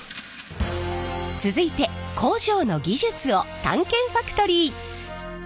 続いて工場の技術を探検ファクトリー！